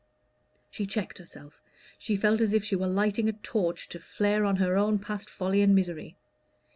She checked herself: she felt as if she were lighting a torch to flare on her own past folly and misery.